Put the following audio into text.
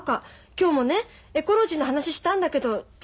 今日もねエコロジーの話したんだけど続かないのよ。